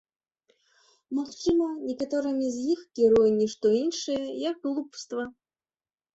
Магчыма, некаторымі з іх кіруе ні што іншае, як глупства.